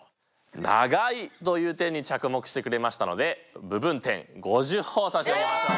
長いという点に着目してくれましたので部分点５０ほぉ差し上げましょう。